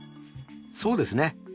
そうですね。